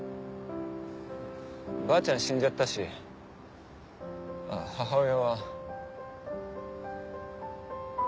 ばあちゃん死んじゃったし母親は。